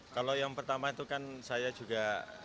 kalau yang pertama itu kan saya juga